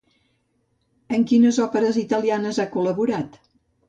En quines òperes italianes ha col·laborat?